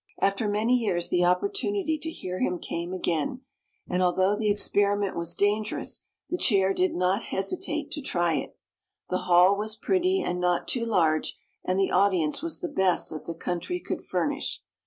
After many years the opportunity to hear him came again; and although the experiment was dangerous the Chair did not hesitate to try it. The hall was pretty and not too large, and the audience was the best that the country could furnish.